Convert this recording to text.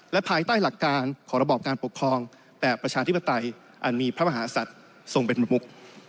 และภายใต้หลักการของระบอบการปกครองแบบประชาธิปไตยอันมีพระมหาศัตริย์ทรงเป็นประมุก